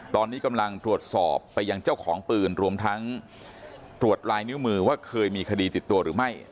ตอนนี้กำลังตรวจสอบไปยังเจ้าของปืนรวมทั้งตรวจลายนิ้วมือว่าเคยมีคดีติดตัวหรือไม่